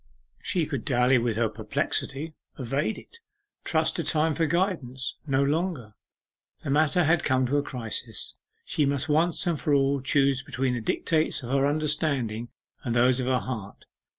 She could dally with her perplexity, evade it, trust to time for guidance, no longer. The matter had come to a crisis: she must once and for all choose between the dictates of her understanding and those of her heart.